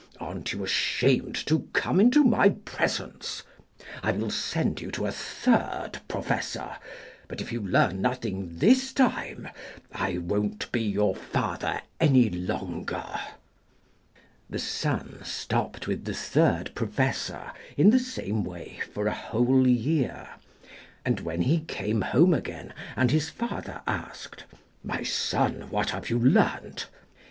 Aren't you ashamed to come into my presence? I will send you to a third Professor, but if you learn nothing this time, I won't be your father any longer.' The son stopped with the third Professor in the same way for a whole year, and when he came home again and his father asked, 'My son, what have you learnt?'